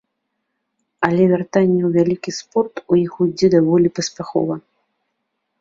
Але вяртанне ў вялікі спорт у іх ідзе даволі паспяхова.